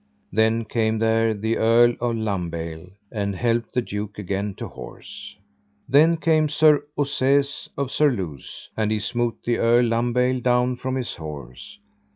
Then came there the Earl of Lambaile and helped the duke again to horse. Then came there Sir Ossaise of Surluse, and he smote the Earl Lambaile down from his horse.